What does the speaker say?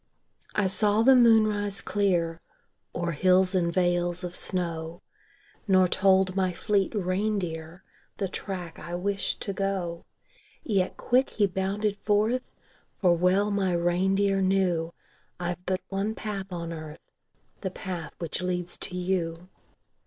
I saw the moon rise clear O'er hills and vales of snow Nor told my fleet reindeer The track I wished to go. Yet quick he bounded forth; For well my reindeer knew I've but one path on earth The path which leads to you.